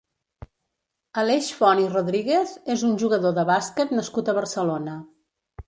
Aleix Font i Rodríguez és un jugador de bàsquet nascut a Barcelona.